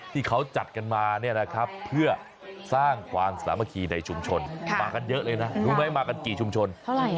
ที่เขาจัดกันมาเนี่ยนะครับเพื่อสร้างความสามัคคีในชุมชนมากันเยอะเลยนะรู้ไหมมากันกี่ชุมชนเท่าไหร่